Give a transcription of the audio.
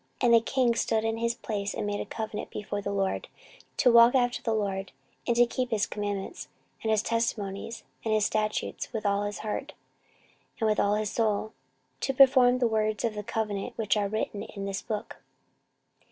14:034:031 And the king stood in his place, and made a covenant before the LORD, to walk after the LORD, and to keep his commandments, and his testimonies, and his statutes, with all his heart, and with all his soul, to perform the words of the covenant which are written in this book.